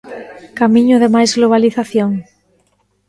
'Camiño de máis globalización?'.